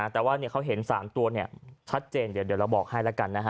แต่ว่าเขาเห็น๓ตัวชัดเจนเดี๋ยวเราบอกให้แล้วกันนะฮะ